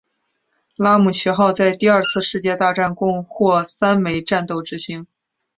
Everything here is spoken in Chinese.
拉姆齐号在第二次世界大战共获三枚战斗之星。